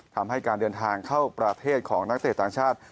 ทำให้การเดินทางเข้าประเทศของนักเตะต่างชาติ